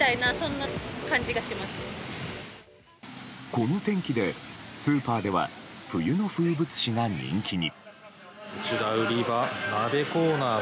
この天気で、スーパーでは冬の風物詩が人気に。